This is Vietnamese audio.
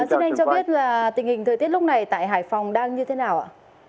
xin anh cho biết là tình hình thời tiết lúc này tại hải phòng đang như thế nào ạ